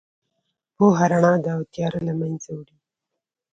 پوهه رڼا ده او تیاره له منځه وړي.